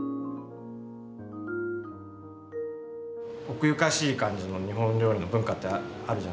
奥ゆかしい感じの日本料理の文化ってあるじゃないですか。